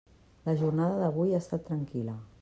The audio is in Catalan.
La jornada d'avui ha estat tranquil·la.